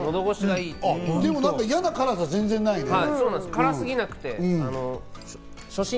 でも嫌な辛さはないね。